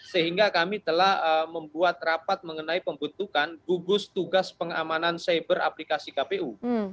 sehingga kami telah membuat rapat mengenai pembentukan gugus tugas pengamanan cyber aplikasi kpu